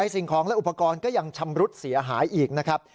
สิ่งของและอุปกรณ์ก็ยังชำรุดเสียหายอีกนะครับ